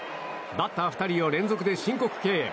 バッター２人を連続で申告敬遠。